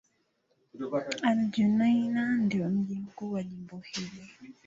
Al-Junaynah ndio mji mkuu wa jimbo hili.